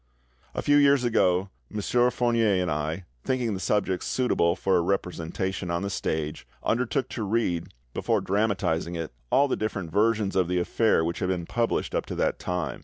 A few years ago, M. Fournier and I, thinking the subject suitable for representation on the stage, undertook to read, before dramatising it, all the different versions of the affair which had been published up to that time.